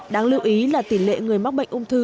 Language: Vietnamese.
đáng lưu ý là tỷ lệ người mắc bệnh ung thư